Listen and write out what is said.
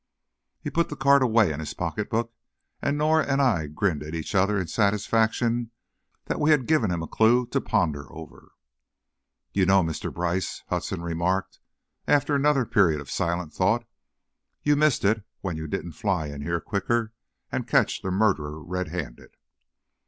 He put the card away in his pocketbook, and Norah and I grinned at each other in satisfaction that we had given him a clew to ponder over. "You know, Mr. Brice," Hudson remarked, after another period of silent thought, "you missed it, when you didn't fly in here quicker and catch the murderer redhanded."